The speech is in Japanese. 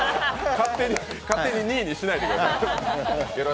勝手に２位にしないでください。